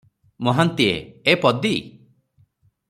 ମହାନ୍ତିଏ - ଏ ପଦୀ ।